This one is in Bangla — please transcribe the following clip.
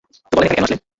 তো বলেন এখানে কেন আসলেন?